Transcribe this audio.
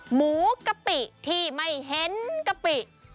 หมูกะปิที่ไม่เห็นกะปิ